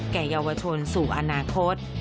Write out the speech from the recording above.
แก่เยาวชนสู่อนาคต